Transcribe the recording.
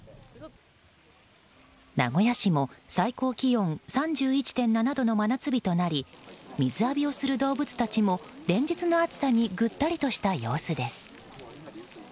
名古屋市も最高気温３１．７度の真夏日となり水浴びをする動物たちも連日の暑さにぐったりとした様子です。